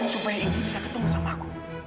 supaya ibu bisa ketemu sama aku